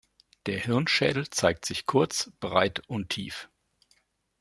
Der Hirnschädel zeigt sich kurz, breit und tief.